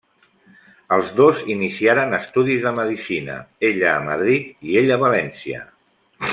Els dos iniciaren estudis de medicina, ella a Madrid i ell a València.